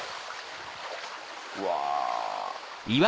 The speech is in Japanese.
うわ。